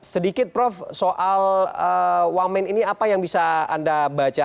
sedikit prof soal wamen ini apa yang bisa anda baca